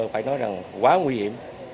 phải nói rằng quá nguy hiểm